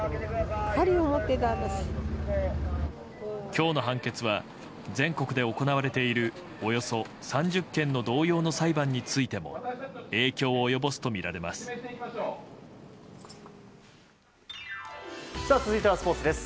今日の判決は全国で行われているおよそ３０件の同様の裁判についても影響を及ぼすとみられます。